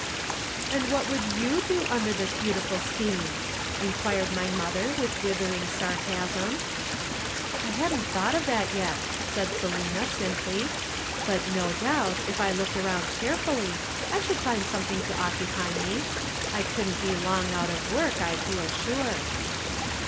"'And what would you do under this beautiful scheme?' inquired my mother with withering sarcasm. "'I haven't thought of that yet,' said Selina simply. 'But no doubt, if I looked around carefully, I should find something to occupy me. I couldn't be long out of work, I feel sure.'